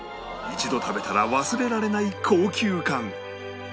一度食べたら忘れられない高級感